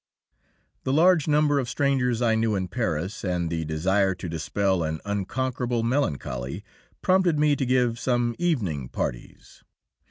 The large number of strangers I knew in Paris, and the desire to dispel an unconquerable melancholy, prompted me to give some evening parties.